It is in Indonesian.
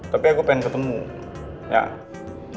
tapi aku pengen ketemu